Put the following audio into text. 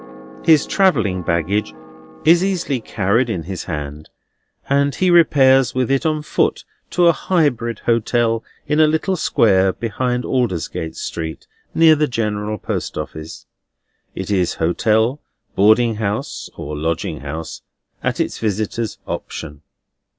His travelling baggage is easily carried in his hand, and he repairs with it on foot, to a hybrid hotel in a little square behind Aldersgate Street, near the General Post Office. It is hotel, boarding house, or lodging house, at its visitor's option.